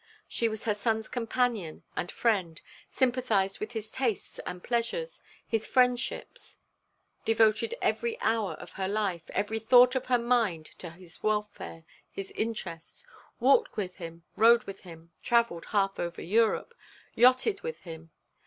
She was her son's companion and friend, sympathised with his tastes, his pleasures, his friendships; devoted every hour of her life, every thought of her mind to his welfare, his interests, walked with him, rode with him, travelled half over Europe, yachted with him.